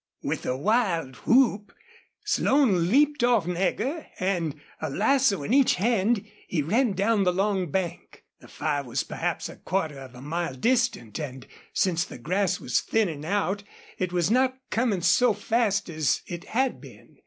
With a wild whoop Slone leaped off Nagger, and, a lasso in each hand, he ran down the long bank. The fire was perhaps a quarter of a mile distant, and, since the grass was thinning out, it was not coming so fast as it had been.